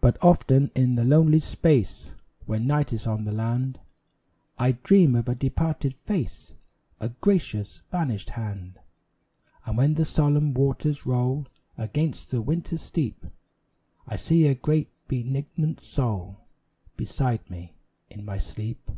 But often in the lonely space When night is on the land, I dream of a departed face A gracious, vanished hand. And when the solemn waters roll Against the outer steep, I see a great, benignant soul Beside me in my sleep.